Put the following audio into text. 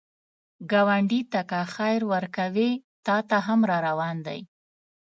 ګاونډي ته که خیر ورکوې، تا ته هم راروان دی